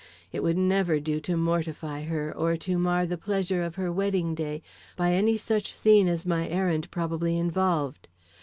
It would never do to mortify her or to mar the pleasure of her wedding day by any such scene as my errand probably involved.